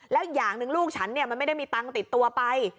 แล้วอย่างหนึ่งลูกฉันมันไม่ได้มีตังค์ติดตัวไป